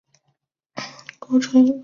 容易验证所有这样的矩阵构成一个群。